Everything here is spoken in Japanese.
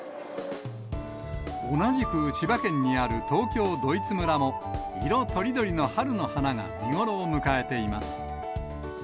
同じく千葉県にある、東京ドイツ村も、色とりどりの春の花が見頃を迎えています。